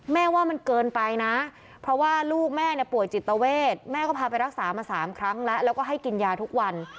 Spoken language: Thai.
แม่ว่ามันเกินไปนะเพราะว่าลูกแม่เนี่ยป่วยจิตเวทแม่ก็พาไปรักษามา๓ครั้งแล้วแล้วก็ให้กินยาทุกวัน